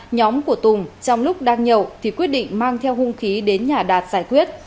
nhóm của tùng trong lúc đang nhậu thì quyết định mang theo hung khí đến nhà đạt giải quyết